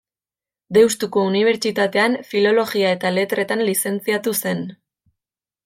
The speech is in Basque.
Deustuko Unibertsitatean Filologia eta Letretan lizentziatu zen.